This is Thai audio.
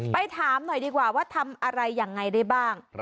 ไปถามหน่อยดีกว่าว่าทำอะไรยังไงได้บ้าง